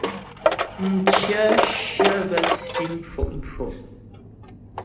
Mcyə shyə bə́ si mfo'fo'.